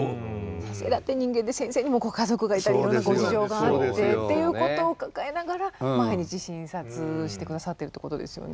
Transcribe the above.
先生だって人間で先生にもご家族がいたりいろんなご事情があってっていうことを抱えながら毎日診察して下さってるってことですよね。